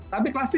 tapi kelas tiga